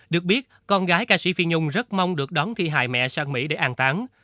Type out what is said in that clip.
được biết con gái ca sĩ phi nhung rất mong được đón thi hài mẹ sang mỹ để an tán